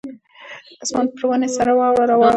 اسمان پر ونې سړه واوره راووروله.